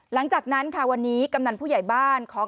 หลังจากนั้นค่ะวันนี้กำนันผู้ใหญ่บ้านของ